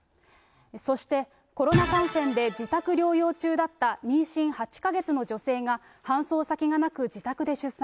そして、コロナ感染で自宅療養中だった妊娠８か月の女性が搬送先がなく、自宅で出産。